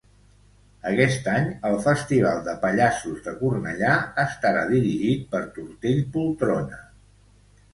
Aquest any el Festival de Pallassos de Cornellà estarà dirigit per Tortell Poltrona.